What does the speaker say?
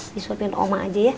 disuapin oma aja ya